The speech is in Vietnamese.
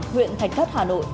nguyện thạch thất hà nội